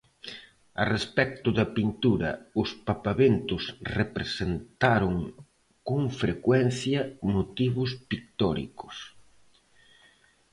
A respecto da pintura, os papaventos representaron con frecuencia motivos pictóricos.